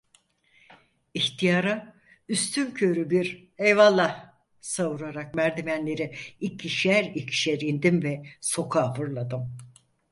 İhtiyara üstünkörü bir "eyvallah" savurarak merdivenleri ikişer ikişer indim ve sokağa fırladım.